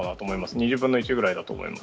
２０分の１ぐらいだと思います。